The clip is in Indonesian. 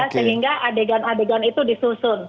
sehingga adegan adegan itu disusun